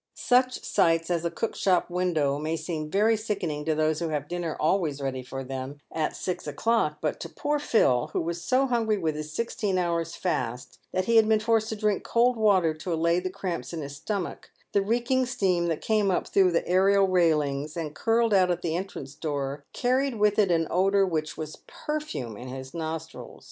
Such sights as a cook shop window may seem very sickening to those who have dinner always ready for them at six o'clock, but to poor Phil, who was so hungry with his sixteen hours' fast that he had been forced to drink cold water to allay the cramps in the stomach, the reeking steam that came up through the area railings and curled out at the entrance door, carried with it an odour which was perfume in his nostrils.